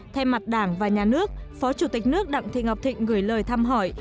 thay mặt đảng và nhà nước phó chủ tịch nước đặng thị ngọc thịnh gửi lời thăm hỏi